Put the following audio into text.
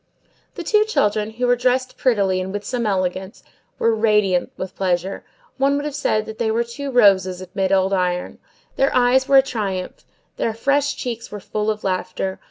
The two children, who were dressed prettily and with some elegance, were radiant with pleasure; one would have said that they were two roses amid old iron; their eyes were a triumph; their fresh cheeks were full of laughter.